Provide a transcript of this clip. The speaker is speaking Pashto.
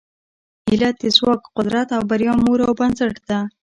هیله د ځواک، قدرت او بریا مور او بنسټ ده.